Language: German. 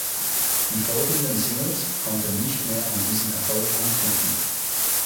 Die folgenden Singles konnten nicht mehr an diesen Erfolg anknüpfen.